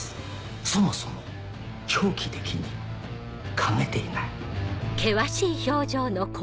そもそも長期的に考えていない。